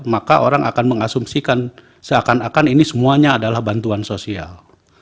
maka orang akan mengasumsikan seakan akan ini semuanya adalah bantuan sosial